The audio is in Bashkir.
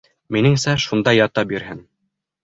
Минеңсә, шунда ята бирһен.